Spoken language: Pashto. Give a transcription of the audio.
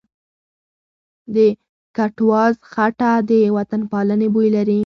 د کټواز خټه د وطنپالنې بوی لري.